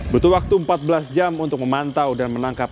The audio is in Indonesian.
butuh waktu empat belas jam untuk memantau dan menangkap